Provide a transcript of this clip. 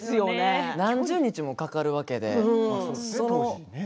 何十日もかかるわけで。